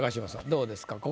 どうですか？